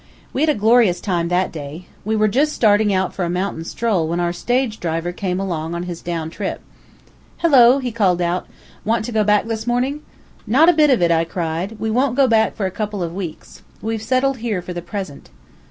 We had a glorious time that day. We were just starting out for a mountain stroll when our stage driver came along on his down trip. "Hello!" he called out. "Want to go back this morning?" "Not a bit of it," I cried. "We wont go back for a couple of weeks. We've settled here for the present."